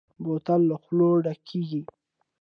بوتل له خولو ډک کېږي.